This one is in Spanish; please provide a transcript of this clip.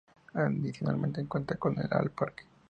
Adicionalmente, cuenta con El Parque.